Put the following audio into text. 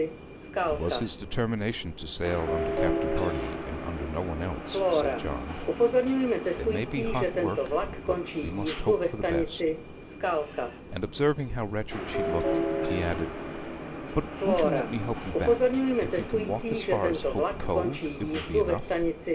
'It was his determination to sail under Captain Hardy, and under no one else,' said John. 'There may be hot work; but we must hope for the best.' And observing how wretched she looked, he added, 'But won't you let me help you back? If you can walk as far as Hope Cove it will be enough.